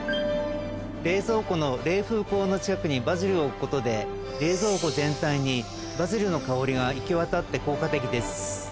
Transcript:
冷蔵庫の冷風口の近くにバジルを置くことで冷蔵庫全体にバジルの香りが行きわたって効果的です。